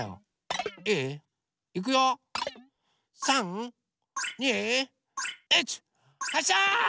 ３２１はっしゃ！